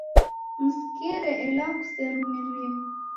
Msikire, ela Kuserumire.